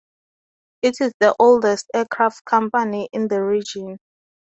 It is the oldest aircraft company in the region.